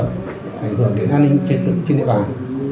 ảnh hưởng đến an ninh trên địa bàn